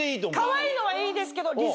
かわいいのはいいですけど。